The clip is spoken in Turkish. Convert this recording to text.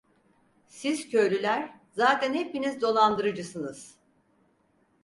Siz köylüler zaten hepiniz dolandırıcısınız…